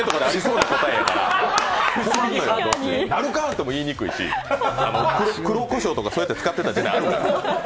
「なるか！」とも言いにくいし、黒こしょうもそうやって使ってた時代あるから。